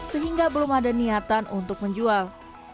sehingga belum ada niatan untuk menjual